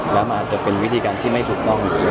แล้วมันอาจจะเป็นวิธีการที่ไม่ถูกต้องหรือ